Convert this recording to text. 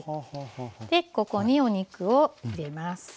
でここにお肉を入れます。